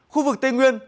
khu vực tây nguyên